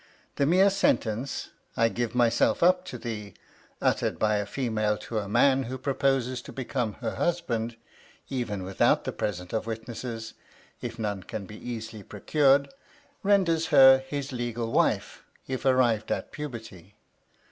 The mere sentence, "I give myself up to thee," uttered by a female to a man who proposes to become her husband (even without the presence of witnesses, if none can easily be procured) renders her his legal wife if arrived at puberty.